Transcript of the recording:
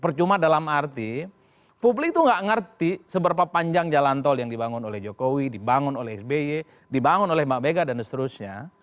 percuma dalam arti publik itu nggak ngerti seberapa panjang jalan tol yang dibangun oleh jokowi dibangun oleh sby dibangun oleh mbak mega dan seterusnya